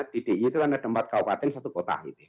di di itu ada empat kabupaten satu kota gitu